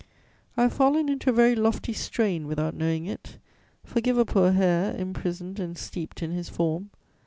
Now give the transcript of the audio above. "I have fallen into a very lofty strain without knowing it. Forgive a poor hare imprisoned and steeped in his form.